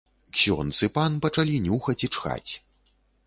Ксёндз і пан пачалі нюхаць і чхаць.